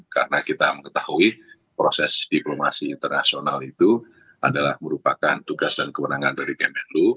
karena kita mengetahui proses diplomasi internasional itu adalah merupakan tugas dan kemenangan dari kemenlu